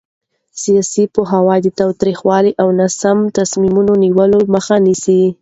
سیاسي پوهاوی د تاوتریخوالي او ناسم تصمیم نیولو مخه نیسي